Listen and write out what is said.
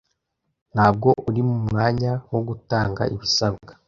Ntabwo uri mu mwanya wo gutanga ibisabwa.